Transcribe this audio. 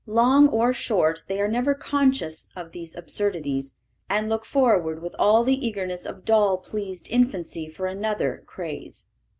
Long or short, they are never conscious of these absurdities, and look forward with all the eagerness of doll pleased infancy for another craze.